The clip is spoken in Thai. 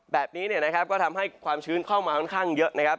แบบนี้ก็ทำให้ความชื้นเข้ามาค่อนข้างเยอะ